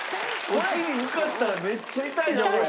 お尻浮かせたらめっちゃ痛いなこれ。